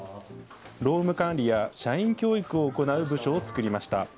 労務管理や社員教育を行う部署を作りました。